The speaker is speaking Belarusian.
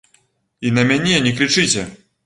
І на мяне не крычыце!